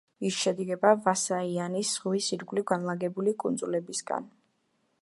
ის შედგება ვისაიანის ზღვის ირგვლივ განლაგებული კუნძულებისგან.